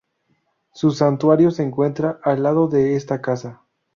Su santuario se encuentra al lado de esta casa.